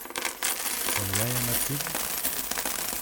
Combien y en a-t-il ?